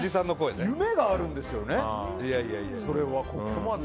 夢があるんですよね。